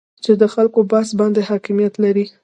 چې د خلکو بحث باندې حاکمیت لري